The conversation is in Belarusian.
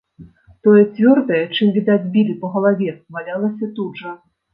Тое цвёрдае, чым, відаць, білі па галаве, валялася тут жа.